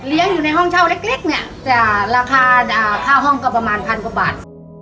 อยู่ในห้องเช่าเล็กเนี่ยราคาค่าห้องก็ประมาณพันกว่าบาท